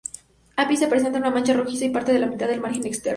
Ápice, presenta una mancha rojiza y parte de la mitad del margen externo.